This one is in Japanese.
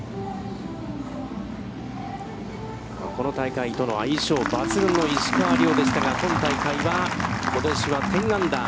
この大会との相性抜群の石川遼でしたが、今大会はことしは１０アンダー。